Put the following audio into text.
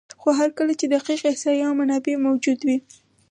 خو هر کله چې دقیق احصایه او منابع موجود وي،